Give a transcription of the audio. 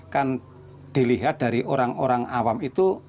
kan dilihat dari orang orang awam itu